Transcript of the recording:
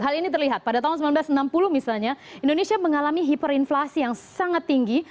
hal ini terlihat pada tahun seribu sembilan ratus enam puluh misalnya indonesia mengalami hiperinflasi yang sangat tinggi